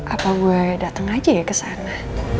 apa gue dateng aja ya kesana